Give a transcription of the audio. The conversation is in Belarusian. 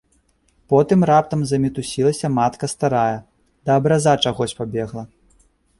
Потым раптам замітусілася матка старая, да абраза чагось пабегла.